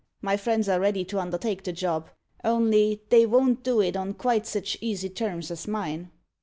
My friends are ready to undertake the job. Only they von't do it on quite sich easy terms as mine."